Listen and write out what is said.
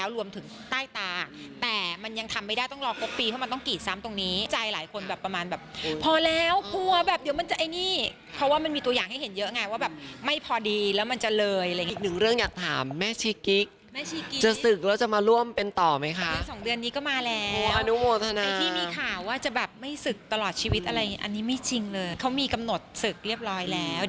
รวมถึงใต้ตาแต่มันยังทำไม่ได้ต้องรอกกปีเพราะมันต้องกรีดซ้ำตรงนี้ใจหลายคนแบบประมาณแบบพอแล้วพอแบบเดี๋ยวมันจะไอ้นี่เพราะว่ามันมีตัวอย่างให้เห็นเยอะไงว่าแบบไม่พอดีแล้วมันจะเลยอีกหนึ่งเรื่องอยากถามแม่ชีกิ๊กจะศึกแล้วจะมาร่วมเป็นต่อไหมคะเดือนสองเดือนนี้ก็มาแล้วอนุโมธนาที่มีข่าวว